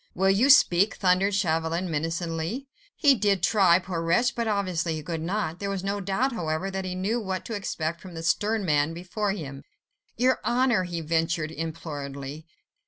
"Will you speak?" thundered Chauvelin, menacingly. He did try, poor wretch, but, obviously, he could not. There was no doubt, however, that he knew what to expect from the stern man before him. "Your Honour ..." he ventured imploringly.